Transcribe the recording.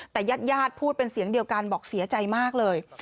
แต่ญาติพูดเป็นเสียงเดียวกันบอกเสียใจมากเลย